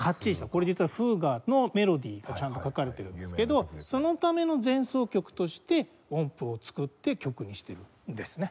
これ実はフーガのメロディーがちゃんと書かれてるんですけどそのための前奏曲として音符を作って曲にしてるんですね。